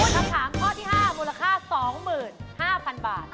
คำถามข้อที่๕มูลค่า๒๕๐๐๐บาท